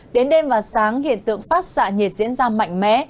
đến đêm và sáng hiện tượng phát xạ nhiệt diễn ra mạnh mẽ